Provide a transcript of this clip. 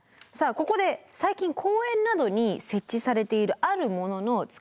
ここで最近公園などに設置されているあるものの使い方